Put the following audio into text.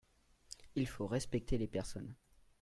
Il faut respecter les personnes.